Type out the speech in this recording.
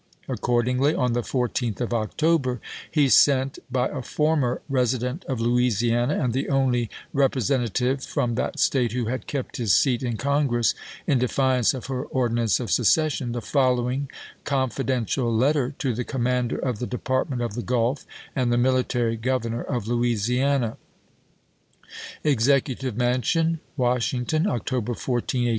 Accord ingly, on the fourteenth of October, he sent, by a former resident of Louisiana, and the only Repre sentative from that State who had kept his seat in Congress in defiance of her ordinance of secession, the following confidential letter to the commander of the Department: of the Gulf and the military governor of Louisiana: 350 ABKAHAM LINCOLN Chap. XVI. EXECUTIVE MANSION, Washington, October 14, 1862.